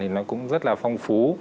thì nó cũng rất là phong phú